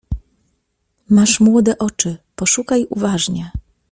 Masz młode oczy, poszukaj uważnie.